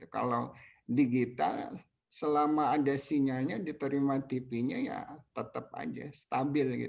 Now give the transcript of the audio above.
kalau digital selama ada sinyalnya diterima tv nya ya tetap aja stabil